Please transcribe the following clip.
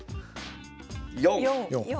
４。